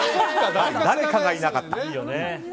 誰かがいなかった。